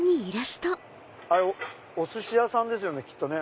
あれお寿司屋さんですよねきっとね。